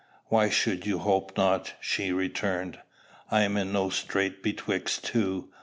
"Why should you hope not?" she returned. "I am in no strait betwixt two.